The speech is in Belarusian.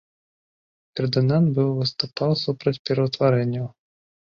Фердынанд быў выступаў супраць пераўтварэнняў.